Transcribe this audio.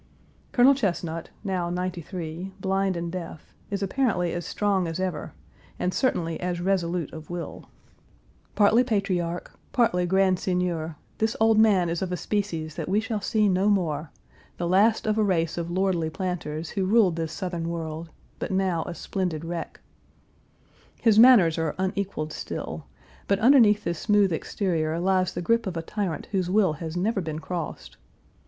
Colonel Chesnut, now ninety three, blind and deaf, is apparently as strong as ever, and certainly as resolute of will. Partly patriarch, Page 390a COL. JAMES CHESNUT, SR.From a Portrait in Oil by Gilbert Stuart. Page 391 partly grand seigneur, this old man is of a species that we shall see no more the last of a race of lordly planters who ruled this Southern world, but now a splendid wreck. His manners are unequaled still, but underneath this smooth exterior lies the grip of a tyrant whose will has never been crossed.